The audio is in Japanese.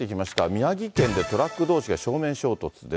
宮城県でトラックどうしが正面衝突です。